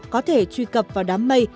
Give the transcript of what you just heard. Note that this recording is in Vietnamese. có thể truy cập vào đám mây